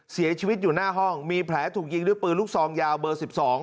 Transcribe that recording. เสียชีวิตอยู่หน้าห้องมีแผลถูกยิงด้วยปืนลูกซองยาวเบอร์สิบสอง